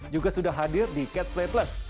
juga sudah hadir di catch play plus